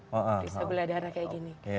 periksa gula darah kayak gini